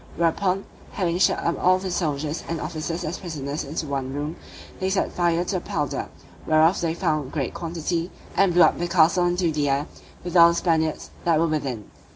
Whereupon, having shut up all the soldiers and officers as prisoners into one room, they set fire to the powder (whereof they found great quantity) and blew up the castle into the air, with all the Spaniards that were within.